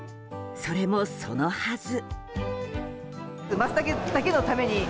それもそのはず。